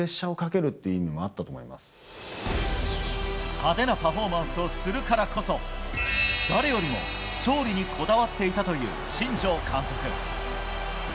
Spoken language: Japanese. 派手なパフォーマンスをするからこそ誰よりも勝利にこだわっていたという新庄監督。